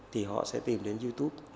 thì họ sẽ tìm đến youtube